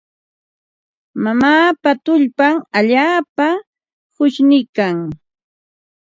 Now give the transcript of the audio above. Mamaapa tullpan allaapa qushniikan.